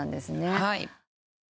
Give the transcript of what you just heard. はい。